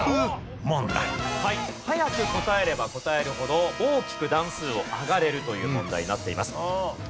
早く答えれば答えるほど大きく段数を上がれるという問題になっています。